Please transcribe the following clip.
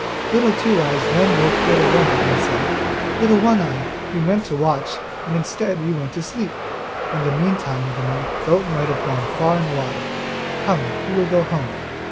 Little Two eyes then woke Little One eye and said, 'Little One eye, you meant to watch, and, instead, you went to sleep; in the meantime the goat might have run far and wide. Come, we will go home.